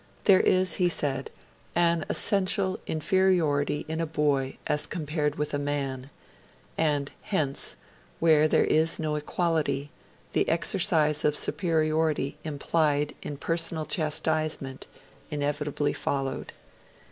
'There is,' he said, 'an essential inferiority in a boy as compared with a man'; and hence 'where there is no equality the exercise of superiority implied in personal chastisement' inevitably followed.